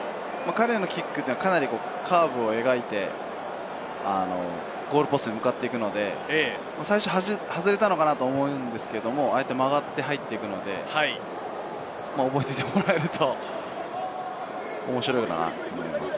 彼のキックはカーブを描いて、ゴールポストに向かっていくので、最初外れたのかな？と思うんですけれど、ああやって曲がって入っていくので、覚えておいてもらえると面白いと思います。